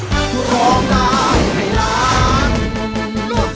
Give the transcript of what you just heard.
ร้องร้องร้อง